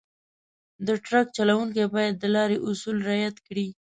د ټرک چلونکي باید د لارې اصول رعایت کړي.